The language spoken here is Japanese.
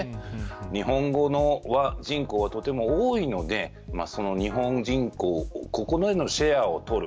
日本語の人口はとても多いのでここでのシェアを取る。